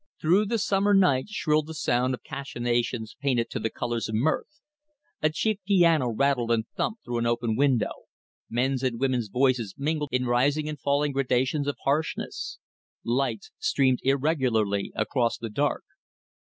Through the summer night shrilled the sound of cachinations painted to the colors of mirth. A cheap piano rattled and thumped through an open window. Men's and women's voices mingled in rising and falling gradations of harshness. Lights streamed irregularly across the dark.